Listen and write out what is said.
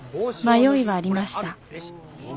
迷いはありました。